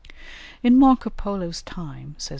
In Marco Polo's time, says M.